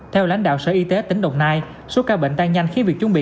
theo lãnh đạo sở y tế tỉnh đồng nai số ca bệnh tăng nhanh khiến việc chuẩn bị